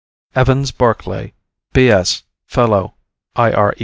EVANS BARCLAY, B.S. Fellow IRE.